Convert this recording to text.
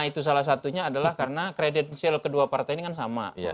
itu salah satunya adalah karena kredensial kedua partai ini kan sama